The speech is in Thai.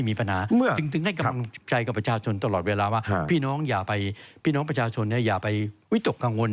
พี่น้องประชาสนตลอดเวลาว่าพี่น้องประชาสนอย่าไปวิตกกังวล